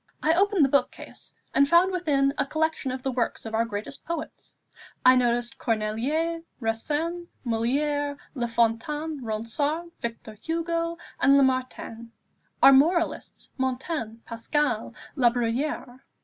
I opened the book case, and found within a collection of the works of our greatest poets. I noticed Corneille, Racine, Molière, La Fontaine, Ronsard, Victor Hugo, and Lamartine. Our moralists Montaigne, Pascal, Labruyère.